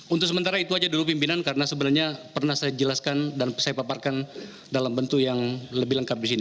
untuk sementara itu aja dulu pimpinan karena sebenarnya pernah saya jelaskan dan saya paparkan dalam bentuk yang lebih lengkap di sini